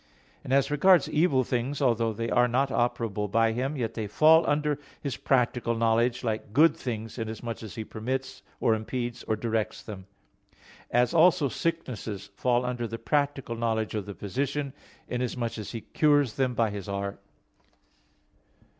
And, as regards evil things, although they are not operable by Him, yet they fall under His practical knowledge, like good things, inasmuch as He permits, or impedes, or directs them; as also sicknesses fall under the practical knowledge of the physician, inasmuch as he cures them by his art.